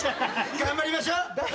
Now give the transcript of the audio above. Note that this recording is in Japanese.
頑張りましょう。